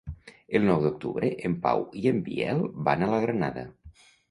El nou d'octubre en Pau i en Biel van a la Granada.